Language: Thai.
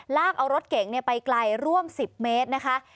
ลากเอารถเก๋งไปไกลร่วม๑๐เมตรนะคะ